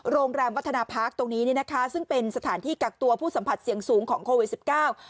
โรงแรมวัฒนาพักตรงนี้เนี่ยนะคะซึ่งเป็นสถานที่กักตัวผู้สัมผัสเสี่ยงสูงของโควิดสิบเก้า